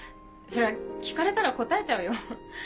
そりゃ聞かれたら答えちゃうよ。